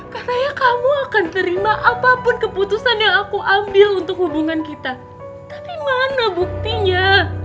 karena kamu akan terima apapun keputusan yang aku ambil untuk hubungan kita tapi mana buktinya